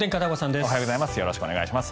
おはようございます。